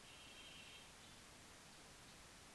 নীরবে কাজ করলে বলে, পুলিশ কোনো কাজই করে না, পুলিশ ব্যর্থ।